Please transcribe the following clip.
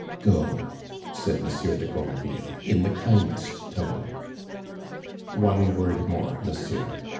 "Go," said Monsieur de Granville, in the kindest tone. "One word more, monsieur.